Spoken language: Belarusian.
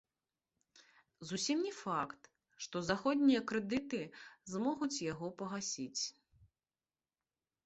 Зусім не факт, што заходнія крэдыты змогуць яго пагасіць.